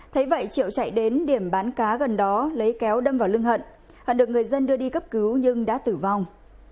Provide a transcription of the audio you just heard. thấy vậy triệu chạy đến điểm bán cá gần đó lấy kéo đâm vào lưng hận và được người dân đưa đi cấp cứu nhưng đã tử vong